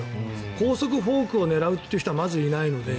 高速フォークを狙うという人はまずいないので。